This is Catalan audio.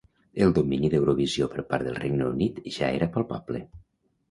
El domini d'Eurovisió per part del Regne Unit ja era palpable.